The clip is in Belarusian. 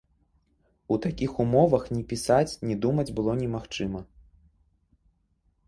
У такіх умовах ні пісаць, ні думаць было немагчыма.